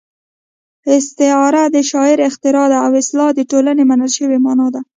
استعاره د شاعر اختراع ده او اصطلاح د ټولنې منل شوې مانا ده